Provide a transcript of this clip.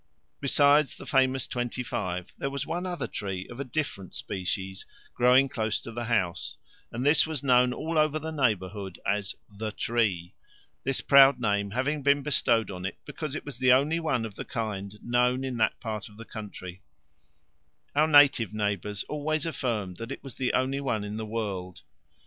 Besides the famous twenty five, there was one other tree of a different species, growing close to the house, and this was known all over the neighbourhood as "The Tree," this proud name having been bestowed on it because it was the only one of the kind known in that part of the country; our native neighbours always affirmed that it was the only one in the world.